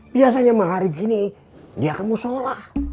biasanya hari ini dia akan musolah